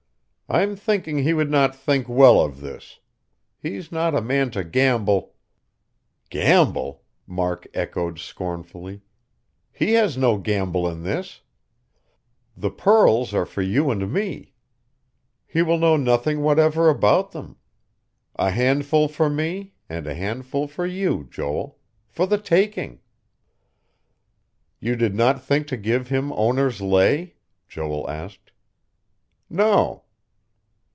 "I'm thinking he would not think well of this.... He's not a man to gamble...." "Gamble?" Mark echoed scornfully. "He has no gamble in this. The pearls are for you and me. He will know nothing whatever about them. A handful for me, and a handful for you, Joel. For the taking...." "You did not think to give him owner's lay?" Joel asked. "No."